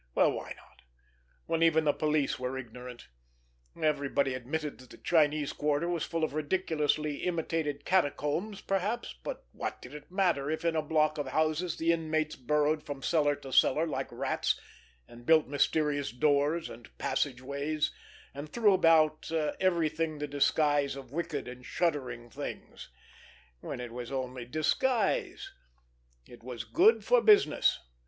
Well, why not, where even the police were ignorant! Everybody admitted that the Chinese quarter was full of ridiculously imitated catacombs perhaps; but what did it matter if in a block of houses the inmates burrowed from cellar to cellar like rats, and built mysterious doors and passageways, and threw about everything the disguise of wicked and shuddering things—when it was only disguise! It was good for business.